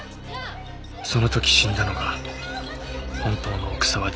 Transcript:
その時死んだのが本当の奥沢純一です。